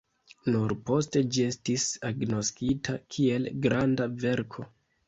Nur poste ĝi estis agnoskita kiel granda verko.